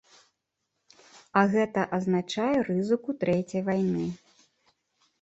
А гэта азначае рызыку трэцяй вайны.